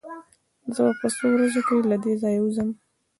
زه به په څو ورځو کې له دې ځايه ووځم.